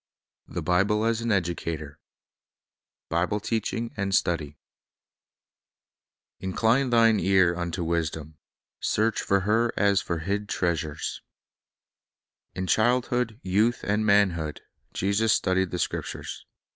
Is itt Hand Bible Teaching and Study "incline thine far unto wisdom; search for hkr as for hid treasures" TN childhood, youth, and manhood, Jesus studied the *■ Scriptures.